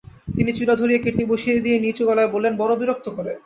তিনি চুলা ধরিয়ে কেটলি বসিয়ে দিয়ে নিচু গলায় বললেন, বড়ো বিরক্ত করে।